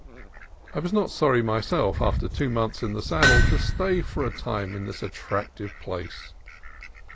I was not sorry myself, after two months in the saddle, to stay for a time in this attractive place.